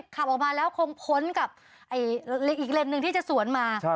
ขับออกมาแล้วคงพ้นกับอีกเลนส์หนึ่งที่จะสวนมา